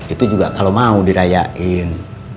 itu juga kalau mau dirayain